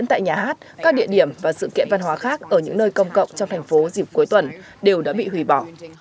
tại nhà hát các địa điểm và sự kiện văn hóa khác ở những nơi công cộng trong thành phố dịp cuối tuần đều đã bị hủy bỏ